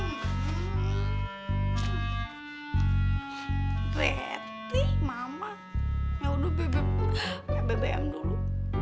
retih mama ya udah bebe bebe yang dulu